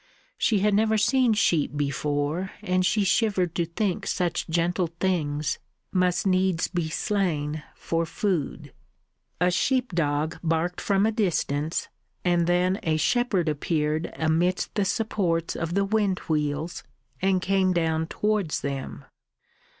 She had never seen sheep before, and she shivered to think such gentle things must needs be slain for food. A sheep dog barked from a distance, and then a shepherd appeared amidst the supports of the wind wheels, and came down towards them.